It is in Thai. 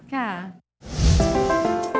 ค่ะ